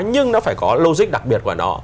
nhưng nó phải có logic đặc biệt của nó